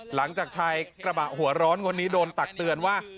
หลังจากชายกระบะหัวร้อนคนนี้โดนตักเตือนว่า